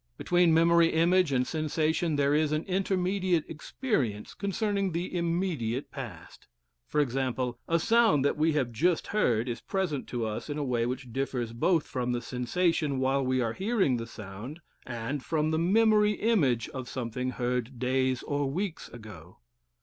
Between memory image and sensation there is an intermediate experience concerning the immediate past. For example, a sound that we have just heard is present to us in a way which differs both from the sensation while we are hearing the sound and from the memory image of something heard days or weeks ago.